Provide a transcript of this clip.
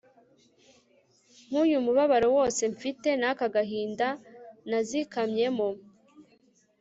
nk'uyu mubabaro wose mfite n'aka gahinda nazikamyemo